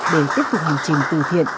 để tiếp tục hành trình từ thiện